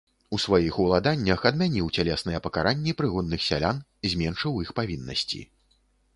У сваіх уладаннях адмяніў цялесныя пакаранні прыгонных сялян, зменшыў іх павіннасці.